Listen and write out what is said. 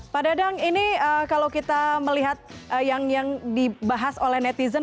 pak dadang ini kalau kita melihat yang dibahas oleh netizen